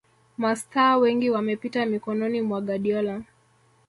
Mastaa wengi wamepita mikononi mwa Guardiola